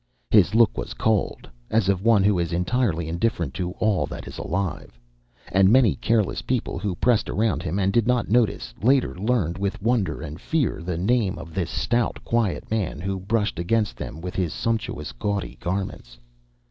His look was cold, as of one who is entirely indifferent to all that is alive. And many careless people who pressed around him, and did not notice him, later learned with wonder and fear the name of this stout, quiet man who brushed against them with his sumptuous, gaudy garments.